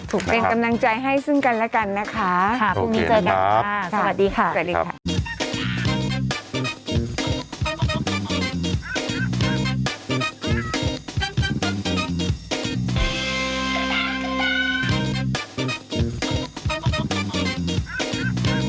เป็นกำลังใจให้ซึ่งกันแล้วกันนะคะพรุ่งนี้เจอกันค่ะสวัสดีค่ะสวัสดีค่ะ